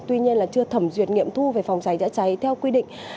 tuy nhiên là chưa thẩm duyệt nghiệm thu về phòng cháy chữa cháy theo quy định